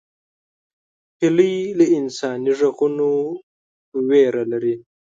هیلۍ له انساني غږونو ویره لري